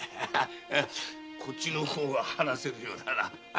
こっちの方が話せるようだな。